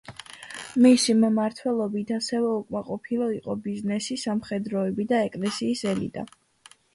მისი მმართველობით ასევე უკმაყოფილო იყო ბიზნესი, სამხედროები და ეკლესიის ელიტა.